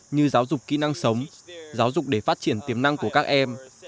như giáo dục kỹ năng sống giáo dục để phát triển tiềm năng của các em